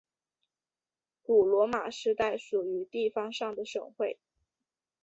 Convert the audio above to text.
古罗马时代属于地方上的省会。